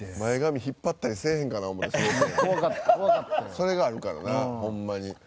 それがあるからなホンマに。